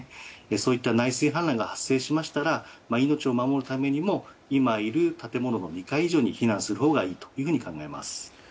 そういった内水氾濫が発生しましたら命を守るためにも今いる建物の２階以上に避難するほうがいいと考えます。